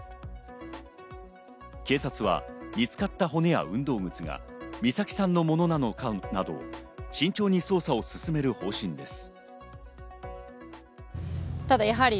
警察は見つかった骨や運動靴が美咲さんのものなのかなどを慎重に捜査を進める方針です。